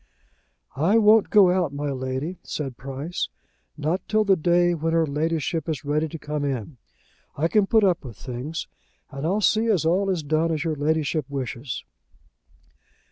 "I won't go out, my Lady," said Price, "not till the day when her Ladyship is ready to come in. I can put up with things, and I'll see as all is done as your Ladyship wishes."